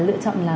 lựa chọn là